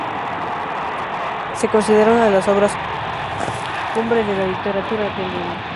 Se considera una de las obras cumbres de la literatura argentina.